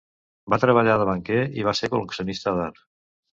Va treballar de banquer i va ser col·leccionista d'art.